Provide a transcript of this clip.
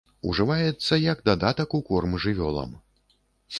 Ужываецца як дадатак у корм жывёлам.